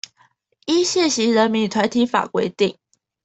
依現行人民團體法規定